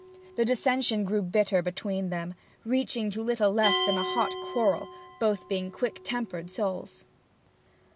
The dissension grew bitter between them, reaching to little less than a hot quarrel, both being quick tempered souls.